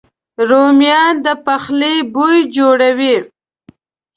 رومیان د پخلي بوی جوړوي